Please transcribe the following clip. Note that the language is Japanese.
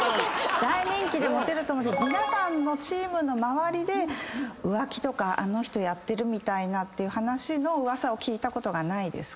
大人気でモテると思うけど皆さんのチームの周りで浮気とかあの人やってるみたいっていう話の噂を聞いたことがないですか？